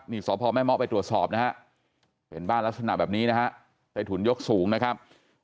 นี่สพแม่เมาะไปตรวจสอบนะฮะเป็นบ้านลักษณะแบบนี้นะฮะใต้ถุนยกสูงนะครับ